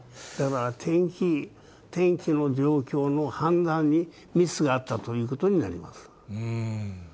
だから天気の状況の判断にミスがあったということになります。